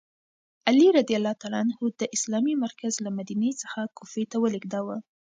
علي رض د اسلامي مرکز له مدینې څخه کوفې ته ولیږداوه.